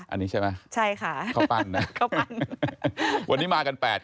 อันนี้ใช่ไหมใช่ค่ะเค้าปั้นนะวันนี้มากัน๘คน